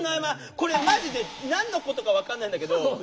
これマジで何のことか分かんないんだけど。